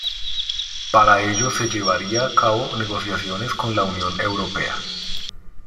Para ello se llevaría a cabo negociaciones con la Unión Europea.